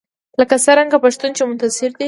لکه څرنګه پښتون چې منتشر دی